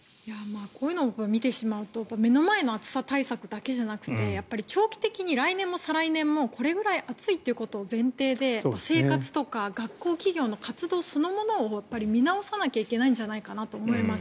こういうのを見てしまうと目の前の暑さ対策だけじゃなくて長期的に来年も再来年もこれくらい暑いということを前提で生活とか学校、企業の活動そのものを見直さなきゃいけないんじゃないかなと思います。